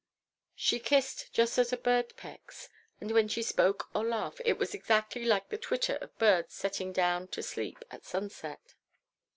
She kissed just as a bird pecks, and when she spoke or laughed, it was exactly like the twitter of birds settling down to sleep at sunset.